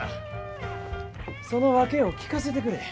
その訳を聞かせてくれ。